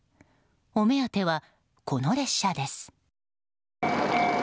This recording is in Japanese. お目当ては、この列車です。